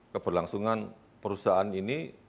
keberlangsungan perusahaan ini